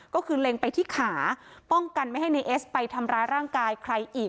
ก็คือเล็งไปที่ขาป้องกันไม่ให้นายเอสไปทำร้ายร่างกายใครอีก